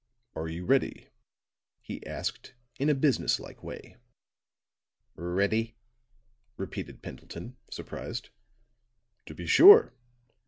"Are you ready?" he asked, in a business like way. "Ready?" repeated Pendleton, surprised. "To be sure.